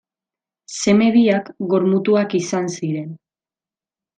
Seme biak gor-mutuak izan ziren.